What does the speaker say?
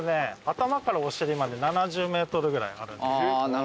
頭からお尻まで７０ｍぐらいある。